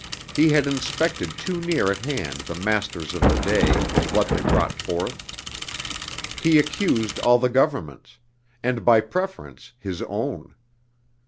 He had inspected too near at hand the masters of the day and what they brought forth. He accused all the governments and by preference his own.